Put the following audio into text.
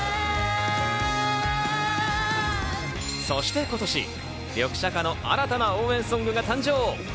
そして今年、リョクシャカの新たな応援ソングが誕生。